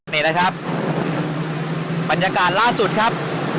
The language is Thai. นี่นะครับบรรยากาศล่าสุดครับ